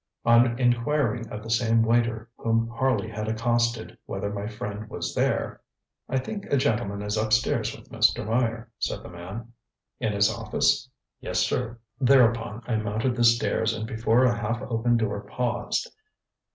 On inquiring of the same waiter whom Harley had accosted whether my friend was there: ŌĆ£I think a gentleman is upstairs with Mr. Meyer, ŌĆØ said the man. ŌĆ£In his office? ŌĆØ ŌĆ£Yes, sir. ŌĆØ Thereupon I mounted the stairs and before a half open door paused.